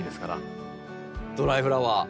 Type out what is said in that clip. ドライフラワー。